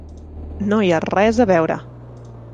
No hi ha res a veure!